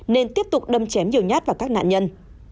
nên tiếp tục đâm chém nhiều nhát vào các nạn nhân